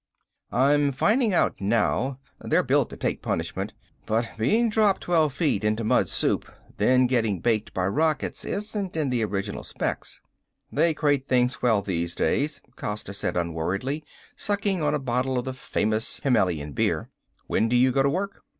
"I'm finding out now. They're built to take punishment but being dropped twelve feet into mud soup, then getting baked by rockets isn't in the original specs." "They crate things well these days," Costa said unworriedly, sucking on a bottle of the famous Himmelian beer. "When do you go to work?"